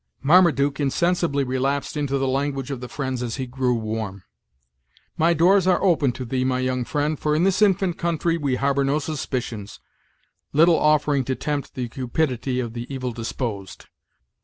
(Marmaduke insensibly relapsed into the language of the Friends as he grew warm.) "My doors are open to thee, my young friend, for in this infant country we harbor no suspicions; little offering to tempt the cupidity of the evil disposed.